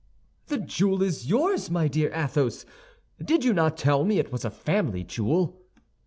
"The jewel is yours, my dear Athos! Did you not tell me it was a family jewel?"